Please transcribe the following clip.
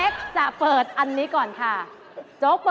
อ๋อนี่คือร้านเดียวกันเหรออ๋อนี่คือร้านเดียวกันเหรอ